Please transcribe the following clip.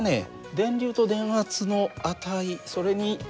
電流と電圧の値それに水の温度